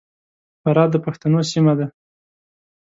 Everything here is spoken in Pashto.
فراه د پښتنو سیمه ده.